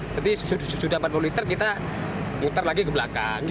jadi sudah empat puluh liter kita ngutar lagi ke belakang